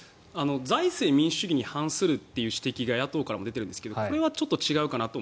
財政民主主義に反するっていう指摘が野党からも出ているんですがこれはちょっと違うかなと。